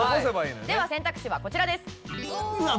では選択肢はこちらです。